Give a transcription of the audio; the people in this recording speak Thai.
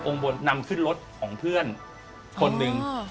บนนำขึ้นรถของเพื่อนคนหนึ่ง